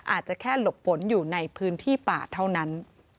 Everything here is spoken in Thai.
อาจจะแค่หลบฝนอยู่ในพื้นที่ป่าเท่านั้น